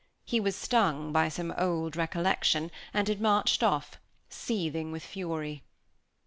He was stung by some old recollection, and had marched off, seething with fury.